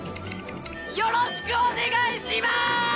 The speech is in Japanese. よろしくお願いしまぁぁぁすっ‼